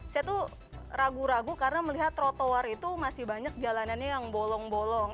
saya tuh ragu ragu karena melihat trotoar itu masih banyak jalanannya yang bolong bolong